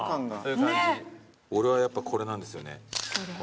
俺はやっぱこれなんですよね。